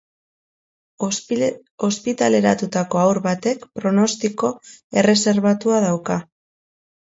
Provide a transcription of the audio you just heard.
Ospitaleratutako haur batek pronostiko erreserbatua dauka.